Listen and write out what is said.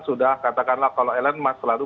sudah katakanlah kalau elon musk selalu